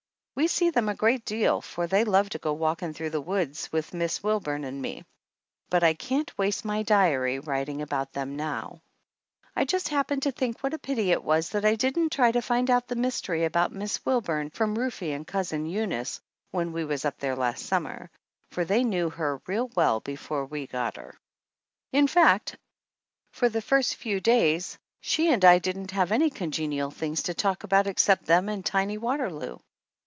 We see them a great deal, for they love to go walking through the woods with Miss Wil burn and me ; but I can't waste my diary writing about them now. 147 THE ANNALS OF ANN I just happened to think what a pity it was that I didn't try to find out the mystery about Miss Wilburn from Rufe and Cousin Eunice when we was up there last summer, for they knew her real well before we got her. In fact, for the first few days she and I didn't have any congenial things to talk about except them and tiny Waterloo.